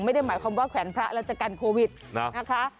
ไม่ได้หมายความว่าแขวนพระแล้วจะกันโควิดนะคะ